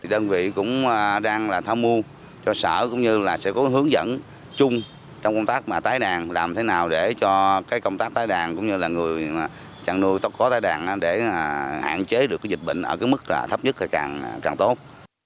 đơn vị cũng đang là thao mua cho sở cũng như là sẽ có hướng dẫn chung trong công tác mà tái đàn làm thế nào để cho cái công tác tái đàn cũng như là người chăn nuôi tốt khó tái đàn để hạn chế được dịch bệnh ở cái mức là thấp nhất thì càng tốt